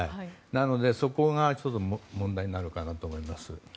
なので、そこがちょっと問題なのかなと思います。